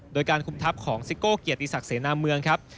โดยการคุมทัพของซิโก้เกียรติศักดิเสนาเมืองครับ